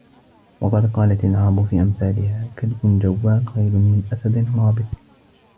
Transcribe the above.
وَقَدْ قَالَتْ الْعَرَبُ فِي أَمْثَالِهَا كَلْبٌ جَوَّالٌ خَيْرٌ مِنْ أَسَدٍ رَابِضٍ